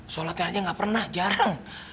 solatnya aja gak pernah jarang